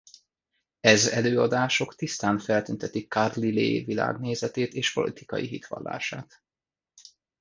Ez előadások tisztán feltüntetik Carlyle világnézetét és politikai hitvallását.